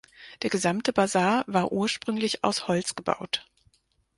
Der gesamte Basar war ursprünglich aus Holz gebaut.